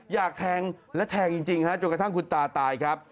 อยากแทงและแทงจริงฮะจนกระทั่งคุณตาตายครับ